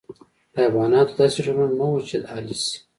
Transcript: د حیواناتو داسې ډولونه نه وو چې اهلي شي.